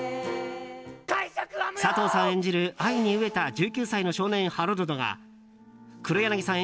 佐藤さん演じる、愛に飢えた１９歳の少年ハロルドが黒柳さん